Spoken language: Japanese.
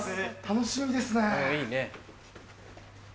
楽しみですね。